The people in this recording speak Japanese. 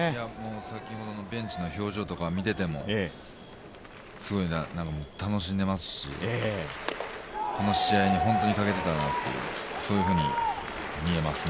先ほどのベンチの表情とかを見ていても、すごい楽しんでいますし、この試合に本当にかけていたなって、そういうふうに見えますね。